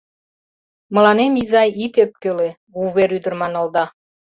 «Мыланем, изай, ит ӧпкеле...» Вувер ӱдыр манылда.